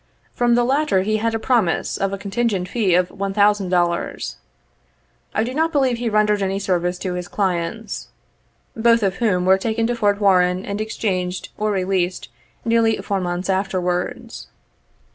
From the latter he had a promise of a contingent fee of $1,000. I do not believe he rendered any service to his clients, both of whom were taken to Fort Warren and exchanged or released nearly four months afterwards.